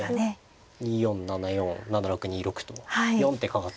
２四７四７六２六と４手かかって。